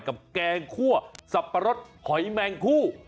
กับแกงคั่วสับปะรสหอยแม่งคั่ว